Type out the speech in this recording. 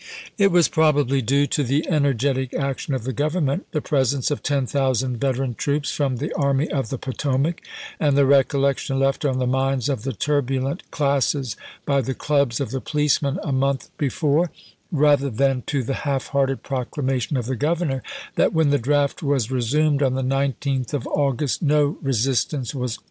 It was probably due to the energetic action of the Government, the presence of ten thousand vet eran troops from the Army of the Potomac, and the recollection left on the minds of the turbulent classes by the clubs of the policemen a month be fore, rather than to the half hearted proclamation of the Governor, that when the draft was resumed on the 19th of August no resistance was offered.